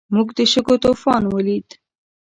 موږ د شګو طوفان ولید.